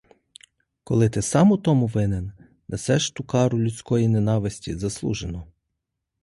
Коли ти сам у тому винен — несеш ту кару людської ненависті заслужено.